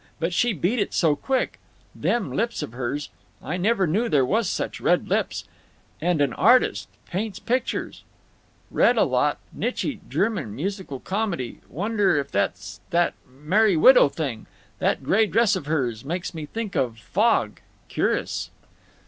But she beat it so quick…. Them lips of hers—I never knew there was such red lips. And an artist—paints pictures!… Read a lot—Nitchy—German musical comedy. Wonder if that's that 'Merry Widow' thing?… That gray dress of hers makes me think of fog. Cur'ous."